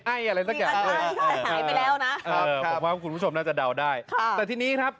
หายไปแล้วนะครับคุณผู้ชมน่าจะเดาได้แต่ทีนี้ครับ